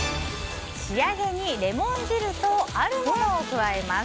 仕上げにレモン汁とあるものを加えます。